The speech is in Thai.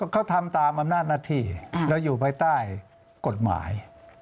เขาทำตามอำนาจหนักฏิและอยู่ภายใต้กฏหมาย